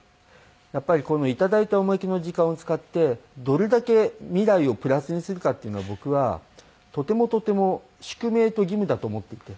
やっぱりこのいただいたおまけの時間を使ってどれだけ未来をプラスにするかっていうのは僕はとてもとても宿命と義務だと思っていて。